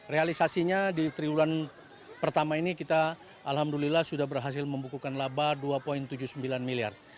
realisasinya di triwulan pertama ini kita alhamdulillah sudah berhasil membukukan laba dua tujuh puluh sembilan miliar